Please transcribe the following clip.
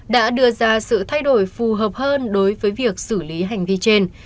đã đưa ra sự thay đổi phù hợp hơn đối với việc xử lý hành vi trên